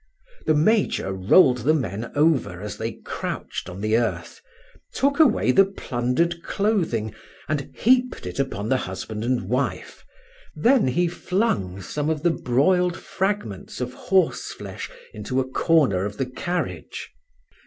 The major rolled the men over as they crouched on the earth, took away the plundered clothing, and heaped it upon the husband and wife, then he flung some of the broiled fragments of horseflesh into a corner of the carriage.